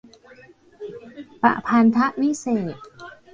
ประพันธวิเศษณ์